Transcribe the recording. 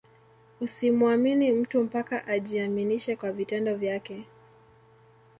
Usimuamini mtu mpaka ajiaminishe kwa vitendo vyake